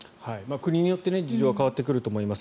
国によって事情は変わってくると思います。